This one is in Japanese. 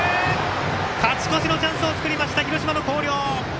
勝ち越しのチャンスを作りました広島の広陵！